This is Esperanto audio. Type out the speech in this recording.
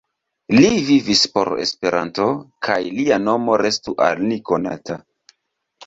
Li vivis por Esperanto, kaj lia nomo restu al ni konata!